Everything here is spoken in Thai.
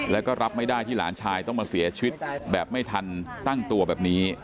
แล้วก็รับไม่ได้ที่หลานชายต้องมาเสียชีวิตแบบไม่ทันตั้งตัวแบบนี้